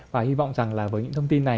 và hy vọng rằng là với những thông tin này